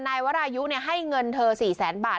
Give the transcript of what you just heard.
นายวรายุให้เงินเธอ๔แสนบาท